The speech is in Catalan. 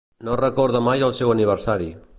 No recorda mai el seu aniversari.